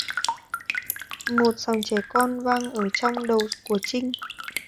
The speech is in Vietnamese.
Một dòng trẻ con vang lên ở trong đầu của Trinh